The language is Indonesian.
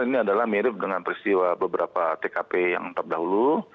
ini adalah mirip dengan peristiwa beberapa tkp yang terdahulu